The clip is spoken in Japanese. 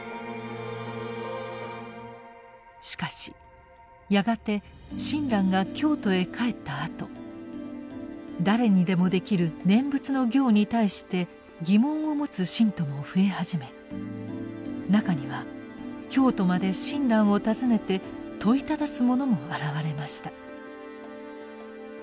しかしやがて親鸞が京都へ帰ったあと誰にでもできる念仏の行に対して疑問を持つ信徒も増え始め中には京都まで親鸞を訪ねて問いただす者も現れました。